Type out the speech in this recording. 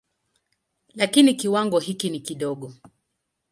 Lakini kiwango hiki ni kidogo.